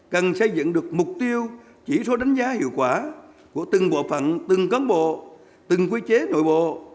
cần xây dựng được mục tiêu chỉ số đánh giá hiệu quả của từng bộ phận từng cân bộ từng quy chế nội bộ